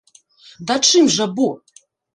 Да чым жа бо?!